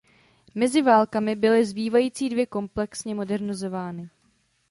Mezi válkami byly zbývající dvě komplexně modernizovány.